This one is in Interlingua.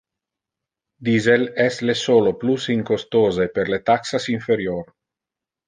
Diesel es le solo plus incostose, per le taxas inferior.